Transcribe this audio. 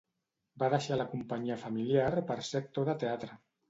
Va deixar la companyia familiar per ser actor de teatre.